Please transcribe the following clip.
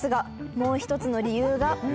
「もう一つの理由が」